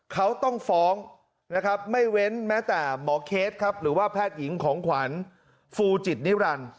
เขาต้องฟ้องนะครับไม่เว้นแม้แต่หมอเคสครับหรือว่าแพทย์หญิงของขวัญฟูจิตนิรันดิ์